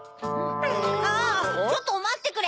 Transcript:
あぁちょっとまってくれ。